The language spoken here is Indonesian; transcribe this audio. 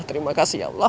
terima kasih ya allah